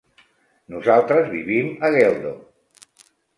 Nosaltres vivim a Geldo.